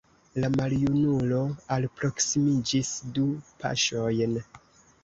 La maljunulo alproksimiĝis du paŝojn.